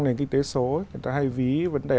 nền kinh tế số người ta hay ví vấn đề